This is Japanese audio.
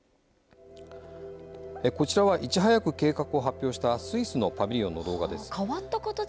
こちらはいち早く計画を発表したスイスのパビリオンの動画です。